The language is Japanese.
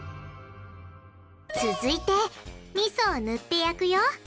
続いてみそを塗って焼くよ。